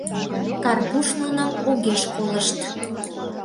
Карпуш нуным огеш колышт.